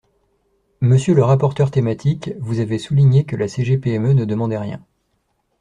Monsieur le rapporteur thématique, vous avez souligné que la CGPME ne demandait rien.